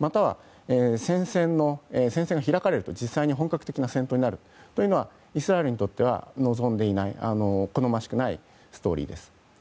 または、戦線が開かれると実際に本格的な戦闘になるのはイスラエルにとっては望んでおらず好ましくないストーリーです。